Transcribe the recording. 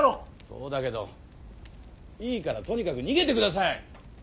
そうだけどいいからとにかく逃げて下さい！